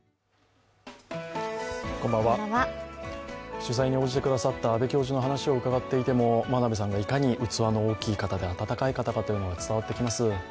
取材に応じてくださった阿部教授の話を伺っていても真鍋さんがいかに器の大きい方で、あたたかい方だというのが伝わってきます。